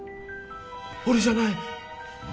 俺じゃない